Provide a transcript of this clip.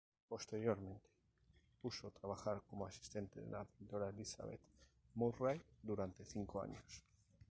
Posteriormente, puso trabajar como asistente de la pintora Elizabeth Murray durante cinco años.